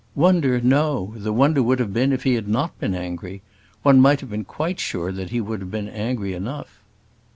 "Wonder no; the wonder would have been if he had not been angry. One might have been quite sure that he would have been angry enough."